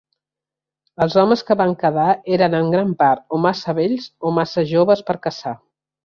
Els homes que van quedar eren en gran part o massa vells o massa joves per caçar.